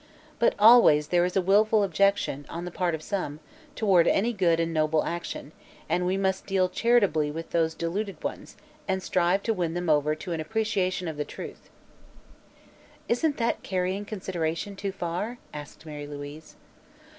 But always there is a willful objection, on the part of some, toward any good and noble action, and we must deal charitably with these deluded ones and strive to win them to an appreciation of the truth." "Isn't that carrying consideration too far?" asked Mary Louise.